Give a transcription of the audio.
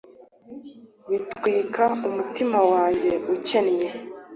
bitwika umutima wanjye ukennye